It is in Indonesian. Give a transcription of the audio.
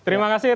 terima kasih tos